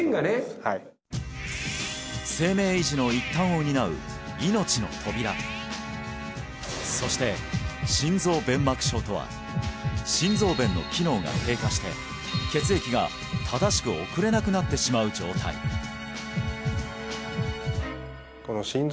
生命維持の一端を担う命の扉そして心臓弁膜症とは心臓弁の機能が低下して血液が正しく送れなくなってしまう状態そうなんだ